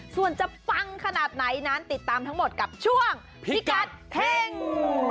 ส่วนจะปังขนาดไหนนั้นติดตามทั้งหมดกับช่วงพิกัดเฮ่ง